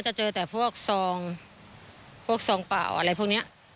จะเจอแต่พวกซองพวกซองเปล่าอะไรพวกนี้